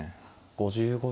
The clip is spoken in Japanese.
５５秒。